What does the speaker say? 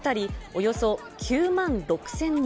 およそ９万６０００人。